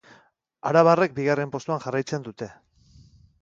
Arabarrek bigarren postuan jarraitzen dute.